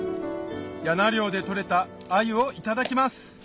簗漁で取れた鮎をいただきます